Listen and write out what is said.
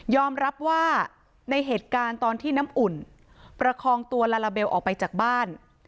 รับว่าในเหตุการณ์ตอนที่น้ำอุ่นประคองตัวลาลาเบลออกไปจากบ้าน